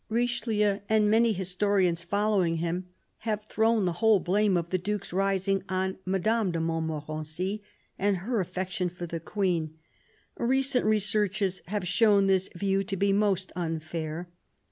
Richelieu and many historians following him have thrown the whole blame of the Duke's rising on Madame de Mont morency and her affection for the Queen. Recent re searches have shown this view to be most unfair.